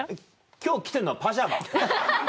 今日着てるのはパジャマ？